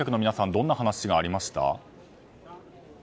どんな話がありました？